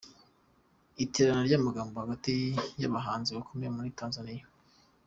Iterana ry’amagambo hagati y’abahanzi bakomeye muri Tanzania.